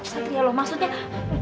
satria loh maksudnya